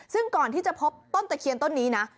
ซึ่งก่อนที่จะพบต้นตะเคียนต้นนี้นะ